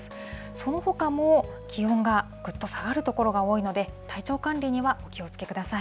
そのほかも気温がぐっと下がる所が多いので、体調管理にはお気をつけください。